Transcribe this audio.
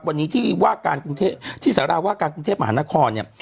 วันนี้ที่ว่าการกรุงเทพที่สาราว่าการกรุงเทพมหานครเนี่ย